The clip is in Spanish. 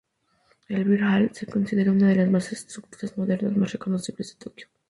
El Beer Hall se considera una de las estructuras modernas más reconocibles de Tokio.